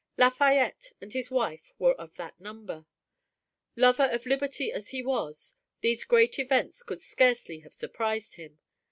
Lafayette and his wife were of that number. Lover of liberty as he was, these great events could scarcely have surprised him.